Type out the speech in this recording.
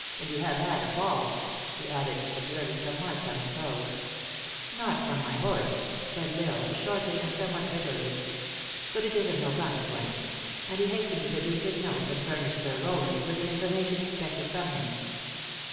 "And you have had a fall," he added, observing some marks on his clothes. "Not from my horse," said L Isle, shortly and THE ACTRESS IN HIGH LIFE. 381 somewhat bitterly. " But it is of no consequence," and lie hastened to produce his notes and furnish Sir Rowland with the information expected from him.